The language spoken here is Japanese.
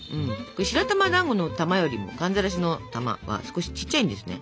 白玉だんごの玉よりも寒ざらしの玉は少しちっちゃいんですね。